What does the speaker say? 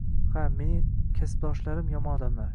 Ha, mening kasbdoshlarim yomon odamlar